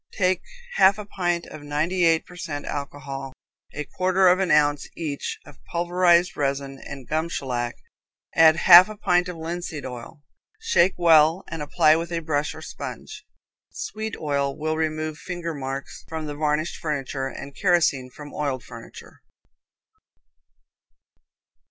Take half a pint of ninety eight per cent alcohol, a quarter of an ounce each of pulverized resin and gum shellac, add half a pint of linseed oil, shake well and apply with a brush or sponge. Sweet oil will remove finger marks from varnished furniture, and kerosene from oiled furniture.